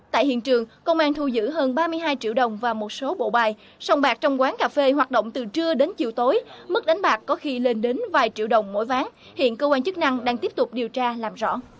tại hiện trường công an thu giữ hơn ba mươi hai triệu đồng và một số bộ bài sòng bạc trong quán cà phê hoạt động từ trưa đến chiều tối mức đánh bạc có khi lên đến vài triệu đồng mỗi ván hiện cơ quan chức năng đang tiếp tục điều tra làm rõ